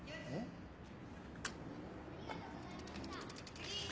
次！